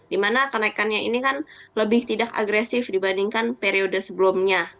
dimana kenaikannya ini kan lebih tidak agresif dibandingkan periode sebelumnya